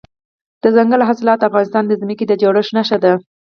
دځنګل حاصلات د افغانستان د ځمکې د جوړښت نښه ده.